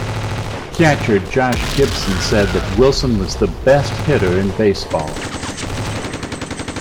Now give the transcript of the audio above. Catcher Josh Gibson said that Wilson was the best hitter in baseball.